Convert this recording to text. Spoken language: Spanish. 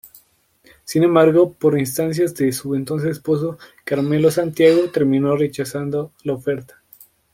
Sin embargo por instancias de su entonces esposo, Carmelo Santiago, terminó rechazando la oferta.